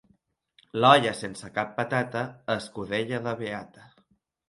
L'olla sense cap patata, escudella de beata.